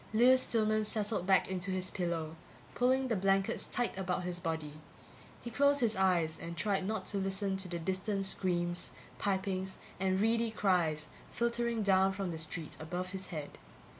Lewis Stillman settled back into his pillow, pulling the blankets tight about his body. He closed his eyes and tried not to listen to the distant screams, pipings and reedy cries filtering down from the street above his head.